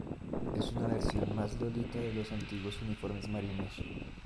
Es una versión más lolita de los antiguos uniformes marinos.